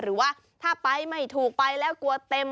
หรือว่าถ้าไปไม่ถูกไปแล้วกลัวเต็ม